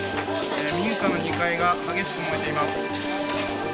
民家の２階が激しく燃えています。